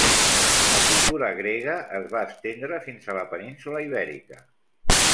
La cultura grega es va estendre fins a la península Ibèrica.